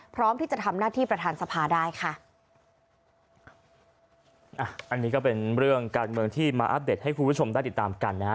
พร้อมที่จะทำหน้าที่ของประธานสภาได้ค่ะ